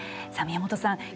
さあ宮本さん